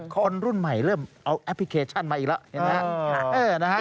คนรุ่นใหม่เริ่มเอาแอปพลิเคชันมาอีกแล้วเห็นไหมครับ